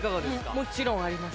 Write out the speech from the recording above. もちろんあります。